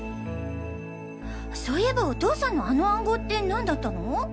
そいえばお父さんのあの暗号って何だったの？